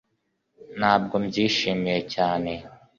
ntabwo mbyishimiye cyane